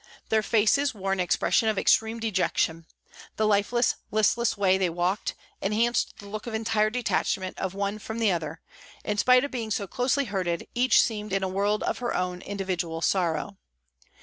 Their faces wore an expression of extreme dejection ; the lifeless, listless way they walked, enhanced the look of entire detachment of one from the other ; in spite of being so closely herded, each seemed in a world of her own individual sorrow.